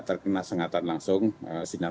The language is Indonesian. terkena sengatan langsung sinar